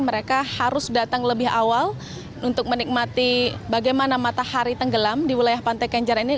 mereka harus datang lebih awal untuk menikmati bagaimana matahari tenggelam di wilayah pantai kenjaran ini